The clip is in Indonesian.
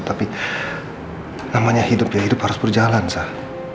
tapi namanya hidup ya hidup harus berjalan sah